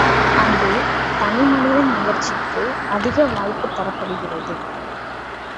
அங்கே தனி மனிதன் முயற்சிக்கு அதிக வாய்ப்புத் தரப்படுகிறது.